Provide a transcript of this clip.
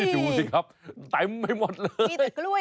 ดูสิครับแต่ไม่หมดเลย